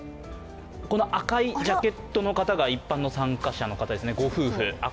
この赤いジャケットの方が一般の参加者の方ですね。